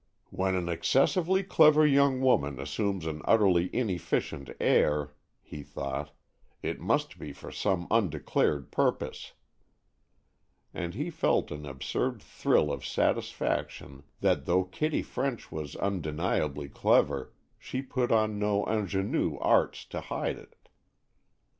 "When an excessively clever young woman assumes an utterly inefficient air," he thought, "it must be for some undeclared purpose;" and he felt an absurd thrill of satisfaction that though Kitty French was undeniably clever, she put on no ingénue arts to hide it.